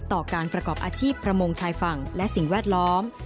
ต่อการประกอบอาชีพประมงชายฝั่งและสิ่งแวดล้อม